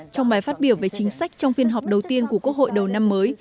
trong bài phát biểu về chính sách trong phiên họp đầu tiên của quốc hội đầu năm mới